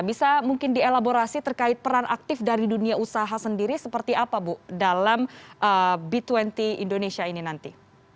bisa mungkin dielaborasi terkait peran aktif dari dunia usaha sendiri seperti apa bu dalam b dua puluh indonesia ini nanti